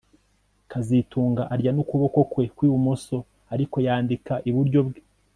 kazitunga arya nukuboko kwe kwibumoso ariko yandika iburyo bwe